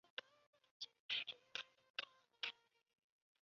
此站是京王电铁车站之中唯一位于目黑区的。